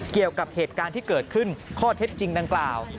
เกี่ยวกับเหตุการณ์ที่เกิดขึ้นข้อเท็จจริงดังกล่าว